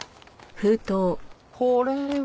これは？